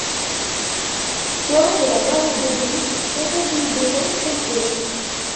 Square de la Mare-Gaudry, soixante mille deux cents Compiègne